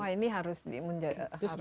wah ini harus diperhatikan